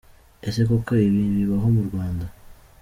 Ese koko ibi bibaho mu Rwanda?.